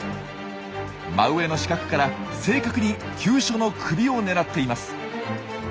真上の死角から正確に急所の首を狙っています。